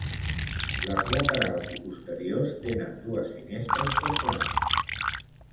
Les laterals i posteriors tenen dues finestres per planta.